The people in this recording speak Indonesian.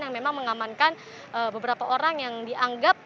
yang memang mengamankan beberapa orang yang dianggap